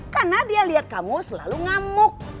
karena dia lihat kamu selalu ngamuk